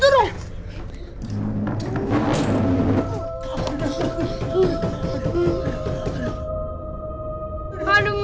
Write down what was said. masih ada dam